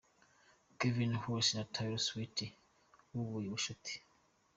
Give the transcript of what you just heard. Calvin Harris na Taylor Swift bubuye ubucuti.